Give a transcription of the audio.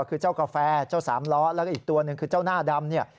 คือเจ้ากาแฟเจ้าสามล้อแล้วก็อีกตัวหนึ่งคือเจ้าหน้าดำเนี่ย